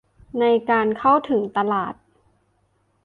ในการเข้าถึงตลาด